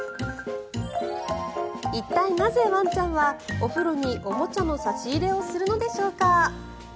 一体なぜワンちゃんはお風呂におもちゃの差し入れをするのでしょうか。